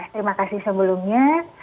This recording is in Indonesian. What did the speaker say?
terima kasih sebelumnya